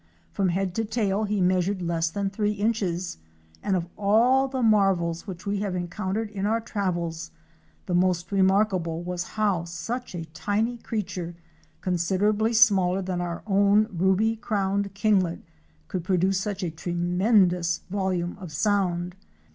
From head to tail he measured less than three inches, and of all the marvels which we have encountered in our travels the most remarkable was how such a tiny creature, con siderably smaller than our Ruby crowned Kinglet, could produce such a tremendous volume of sound.